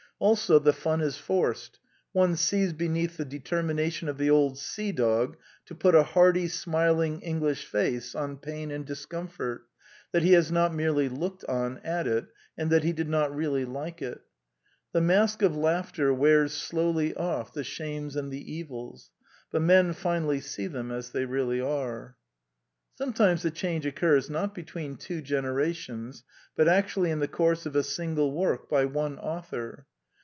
Also, the fun is forced: one sees beneath the determination of the old sea dog to put a hearty smiling English face on pain and discomfort, that he has not merely looked on at it, and that he did not really like it. The mask of laughter wears slowly off the shames and the evils; but men finally see them as they really are. Sometimes the change occurs, not between two generations, but actually in the course of a single work by one author.